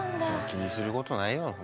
気にすることないよ。